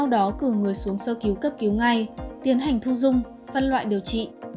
đó cử người xuống sơ cứu cấp cứu ngay tiến hành thu dung phân loại điều trị